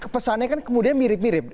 pesannya kan kemudian mirip mirip